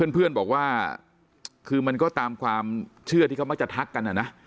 เพื่อนบอกว่าคือมันก็ตามความเชื่อที่เขามักจะทักกันนะ